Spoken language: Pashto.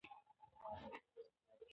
کولن میلیر یو مشهور سپېن بالر دئ.